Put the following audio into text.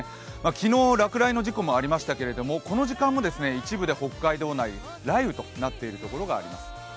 昨日、落雷の事故もありましたけれども、この時間も一部、北海道で雷雨となっているところもあります。